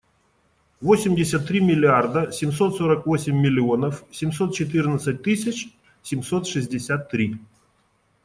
Восемьдесят три миллиарда семьсот сорок восемь миллионов семьсот четырнадцать тысяч семьсот шестьдесят три.